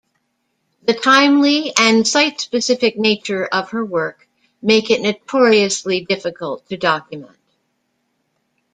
The timely and site-specific nature of her work make it notoriously difficult to document.